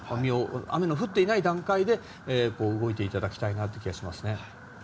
雨の降っていない段階で動いていただきたいと思います。